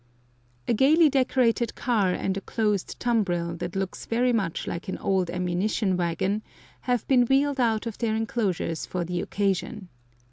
A gayly decorated car and a closed tumbril, that looks very much like an old ammunition wagon, have been wheeled out of their enclosures for the occasion.